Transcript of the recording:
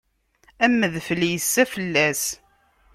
Am udfel yessa fell-as.